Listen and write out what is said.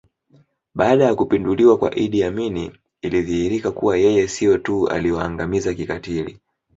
Baada ya kupinduliwa kwa Idi Amin ilidhihirika kuwa yeye sio tu aliwaangamiza kikatili